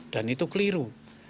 dan itu keliru